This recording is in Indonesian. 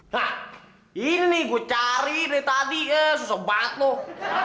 hah ini nih gue cari dari tadi susah banget loh